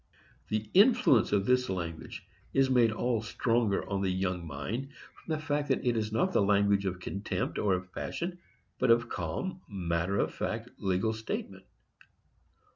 The influence of this language is made all the stronger on the young mind from the fact that it is not the language of contempt, or of passion, but of calm, matter of fact, legal statement.